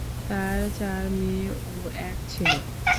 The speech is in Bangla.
তাঁর চার মেয়ে ও এক ছেলে।